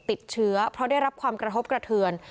ติดเชื้อเพราะได้รับความกระทบกระเทือน